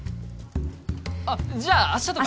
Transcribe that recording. あっじゃあ明日とか。